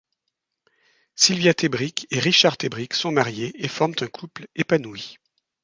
Sylvia Tebrick et Richard Tebrick sont mariés et forment un couple épanoui.